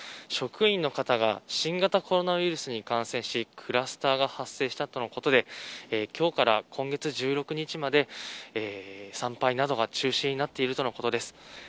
職員の方が新型コロナウイルスに感染しクラスターが発生したとのことで今日から今月１６日まで参拝などが中止になっているとのことです。